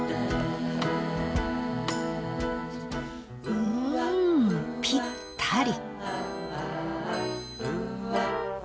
うんぴったり！